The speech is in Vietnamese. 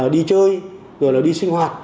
đi chơi rồi là đi sinh hoạt